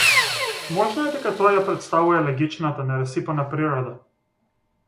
Можно е дека тоа ја претставува елегичната, нерасипана природа.